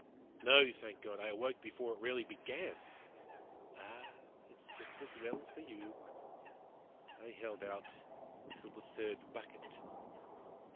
"No, thank God, I awoke before it really began." "Ah! it is just as well for you. I held out till the third bucket.